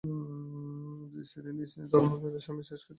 দুই স্ত্রীই নিজ নিজ ধমর্মতে স্বামীর শেষকৃত্য করার দাবিতে আবেদন করেন।